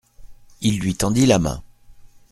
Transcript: Il lui tendit la main.